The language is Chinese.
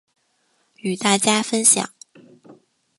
与大家分享